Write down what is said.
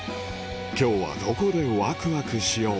今日はどこでワクワクしよう？